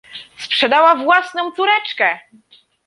Sprzedała własną córeczkę!